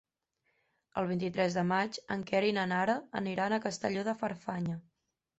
El vint-i-tres de maig en Quer i na Nara aniran a Castelló de Farfanya.